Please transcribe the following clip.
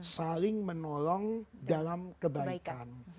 saling menolong dalam kebaikan